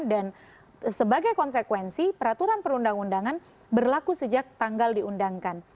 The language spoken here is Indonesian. dan sebagai konsekuensi peraturan perundang undangan berlaku sejak tanggal diundangkan